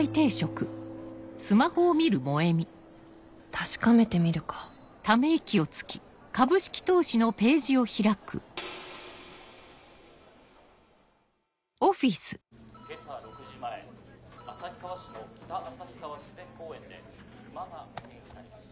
確かめてみるか今朝６時前旭川市の北旭川自然公園でクマが目撃されました。